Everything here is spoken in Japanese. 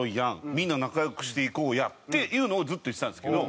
「みんな仲良くしていこうや」っていうのをずっと言ってたんですけど。